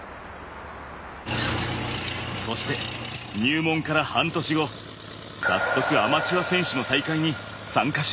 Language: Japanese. そして入門から半年後早速アマチュア選手の大会に参加しました。